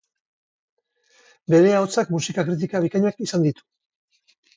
Bere ahotsak musika kritika bikainak izan ditu.